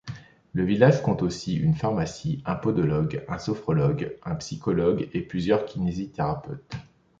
Le village compte aussi une pharmacie, un podologue, un sophrologue, un psychologue et plusieurs kinésithérapeutes.